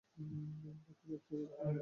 আমার তো বাচ্চা-কাচ্চা সহ্যও হয় না।